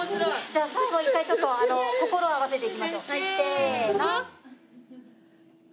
じゃあ最後一回ちょっと心を合わせていきましょう。